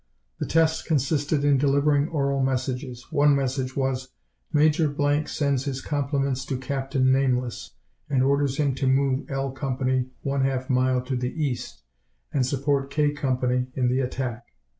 The test consisted in delivering oral messages. One message was: "Major Blank sends his compliments to Captain Nameless, and orders him to move L Company one half mile to the east, and support K Company in the attack."